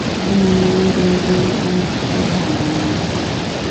د میوو رنګونه اشتها راوړي.